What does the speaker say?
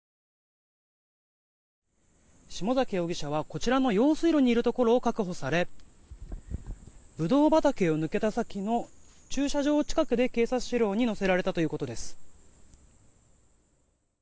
下崎容疑者はこちらの用水路にいるところを確保されブドウ畑を抜けた先の駐車場の近くで警察車両に乗せられたということです。